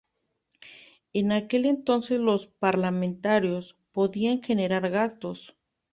En aquel entonces los parlamentarios podían generar gastos.